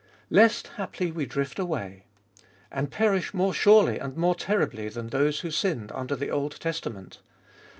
Lest haply we drift away — and perish more surely and more terribly than those who sinned under the Old Testament.